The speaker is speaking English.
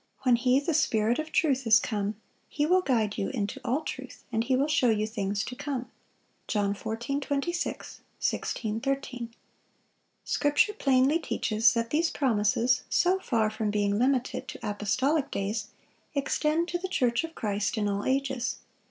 "When He, the Spirit of truth, is come, He will guide you into all truth: ... and He will show you things to come." John 14:26; 16:13. Scripture plainly teaches that these promises, so far from being limited to apostolic days, extend to the church of Christ in all ages.